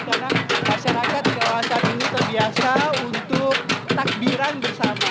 karena masyarakat di kawasan ini terbiasa untuk takbiran bersama